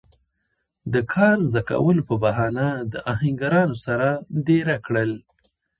د کار زده کولو پۀ بهانه د آهنګرانو سره دېره کړل